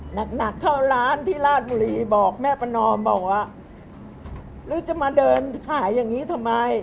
หนักหนักเท่าร้านที่ราชบุรีบอกแม่ประนอมบอกว่าหรือจะมาเดินขายอย่างนี้ทำไม